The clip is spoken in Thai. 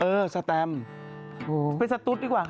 เออสแตมไปสตุ๊ดที่กว่าค่ะ